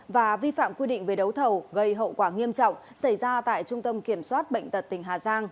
và vi phạm quy định về đấu thầu gây hậu quả nghiêm trọng xảy ra tại trung tâm kiểm soát bệnh tật tỉnh hà giang